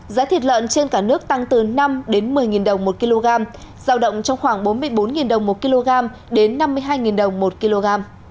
giá thịt lợn trên cả nước tăng từ năm một mươi đồng một kg giao động trong khoảng bốn mươi bốn đồng một kg đến năm mươi hai đồng một kg